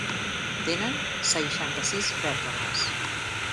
Tenen seixanta-sis vèrtebres.